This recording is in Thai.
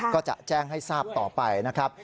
ก็จะแจ้งให้ทราบต่อไปนะครับ